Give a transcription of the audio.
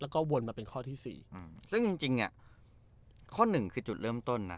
แล้วก็วนมาเป็นข้อที่สี่อืมซึ่งจริงเนี่ยข้อหนึ่งคือจุดเริ่มต้นนะ